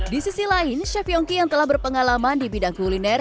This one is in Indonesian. di sisi lain chef yongki yang telah berpengalaman di bidang kuliner